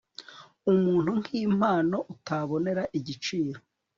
umuntu nki mpano utabonera igiciro